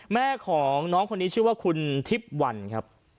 แม่ของน้องคนนี้ชื่อว่าคุณทิพย์วันครับ